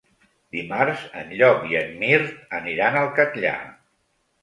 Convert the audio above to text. Dimarts en Llop i en Mirt aniran al Catllar.